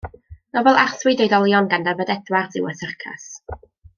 Nofel arswyd i oedolion gan Dyfed Edwards yw Y Syrcas.